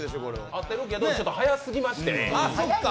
合ってるけどちょっと早すぎましてね。